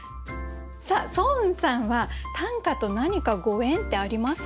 さあ双雲さんは短歌と何かご縁ってありますか？